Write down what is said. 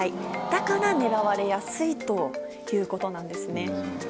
だから狙われやすいということなんですね。